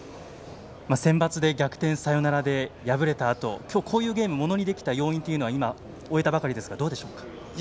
センバツで逆転サヨナラで敗れたあときょう、こういうゲームをものにできた要因は終えたばかりですがどうでしょうか？